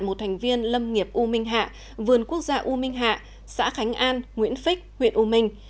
một thành viên lâm nghiệp u minh hạ vườn quốc gia u minh hạ xã khánh an nguyễn phích huyện u minh